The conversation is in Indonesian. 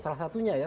salah satunya ya